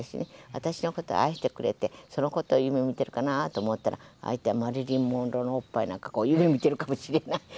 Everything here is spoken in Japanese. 私のことを愛してくれてそのことを夢見てるかなと思ったら相手はマリリン・モンローのおっぱいなんか夢見てるかもしれない。